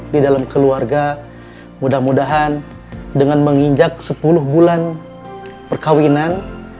di dalam keluarga mudah mudahan dengan menginjak sepuluh bulan perkawinan